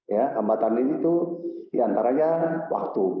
ya hambatan ini itu diantaranya waktu